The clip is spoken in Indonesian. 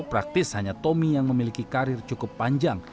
praktis hanya tommy yang memiliki karir cukup panjang